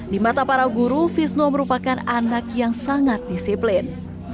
di mata para guru fizno merupakan anak yang sangat disiplin